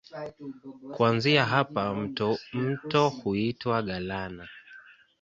Kuanzia hapa mto huitwa Galana.